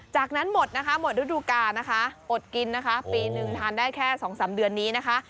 จากนั้นหมดนะคะหมดฤดูกานะคะอดกินนะคะปีนึงทานได้แค่๒๓เดือนนี้นะคะ